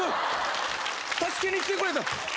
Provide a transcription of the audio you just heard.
助けに来てくれた。